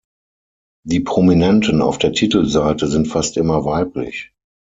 Die Prominenten auf der Titelseite sind fast immer weiblich.